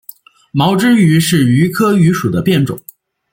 毛枝榆是榆科榆属的变种。